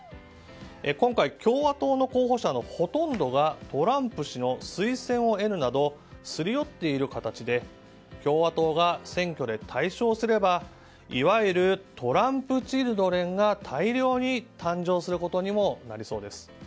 今回、共和党の候補者のほとんどがトランプ氏の推薦を得るなどすり寄っている形で共和党が選挙で大勝すればいわゆるトランプチルドレンが大量に誕生することにもなりそうです。